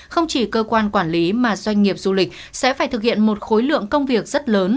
không chỉ cơ quan quản lý mà doanh nghiệp du lịch sẽ phải thực hiện một khối lượng công việc rất lớn